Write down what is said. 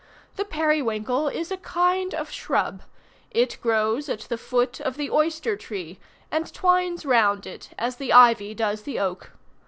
The periwinkle is a kind of shrub; it grows at the foot of the oyster tree, and twines round it as the ivy does the oak.